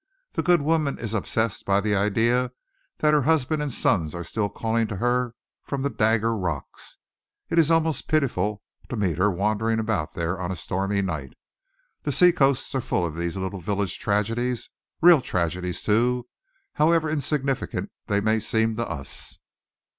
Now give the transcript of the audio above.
The good woman is obsessed by the idea that her husband and sons are still calling to her from the Dagger Rocks. It is almost pitiful to meet her wandering about there on a stormy night. The seacoasts are full of these little village tragedies real tragedies, too, however insignificant they may seem to us."